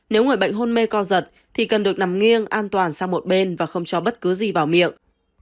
nếu người bệnh hôn mê co giật thì cần được nằm nghiêng an toàn sang một bên và không cho bất cứ gì vào miệng